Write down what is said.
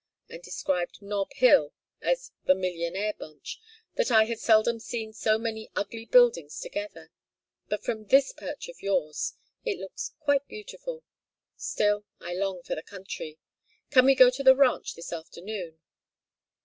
and described Nob Hill as the 'millionaire bunch,' that I had seldom seen so many ugly buildings together; but from this perch of yours it looks quite beautiful. Still I long for the country. Can we go to the ranch this afternoon?"